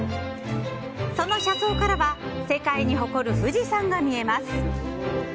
その車窓からは世界に誇る富士山が見えます。